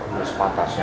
ya udah sepatasnya